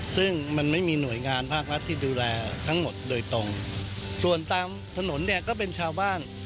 ซึ่งมันไม่มีหน่วยงานภาครัฐที่ดูแลทั้งหมดโดยตรงส่วนตามถนนเนี่ยก็เป็นชาวบ้าน